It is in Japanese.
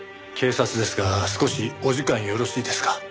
警察ですが少しお時間よろしいですか？